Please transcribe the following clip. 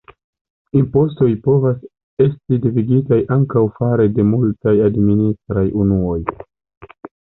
Impostoj povas esti devigitaj ankaŭ fare de multaj administraj unuoj.